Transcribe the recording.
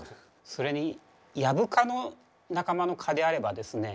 それにヤブ蚊の仲間の蚊であればですね